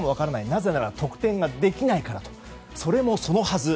なぜなら得点ができないからとそれもそのはず。